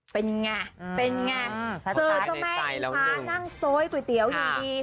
เป็นไงเป็นไงเจอจะไม่อิงฟานั่งโซ่ให้ก๋วยเตี๋ยวอย่างดี